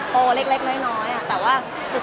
มันเป็นเรื่องน่ารักที่เวลาเจอกันเราต้องแซวอะไรอย่างเงี้ย